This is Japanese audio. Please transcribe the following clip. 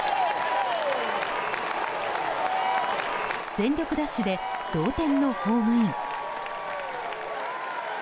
全力ダッシュで同点のホームイン。